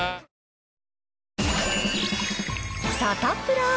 サタプラ。